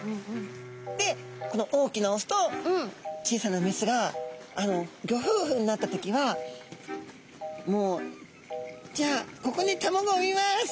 でこの大きなオスと小さなメスがギョふうふになった時は「もうじゃあここに卵を産みます」